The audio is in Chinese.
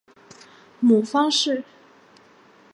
母方氏。